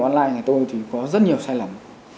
online này tôi thì có rất nhiều sai lầm